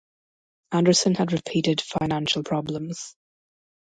Andersson had repeated financial problems.